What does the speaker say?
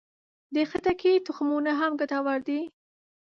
د خټکي تخمونه هم ګټور دي.